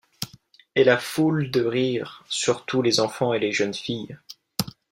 Et la foule de rire, surtout les enfants et les jeunes filles.